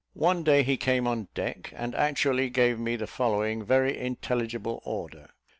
One day he came on deck, and actually gave me the following very intelligible order.